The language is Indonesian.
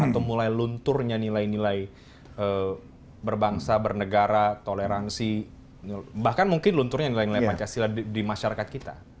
atau mulai lunturnya nilai nilai berbangsa bernegara toleransi bahkan mungkin lunturnya nilai nilai pancasila di masyarakat kita